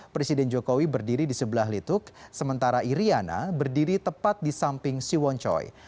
presiden jokowi berdiri di sebelah lituk sementara iryana berdiri tepat di samping siwon choi